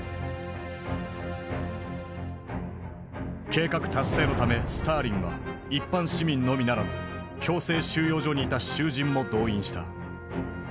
計画達成のためスターリンは一般市民のみならず強制収容所にいた囚人も動員した。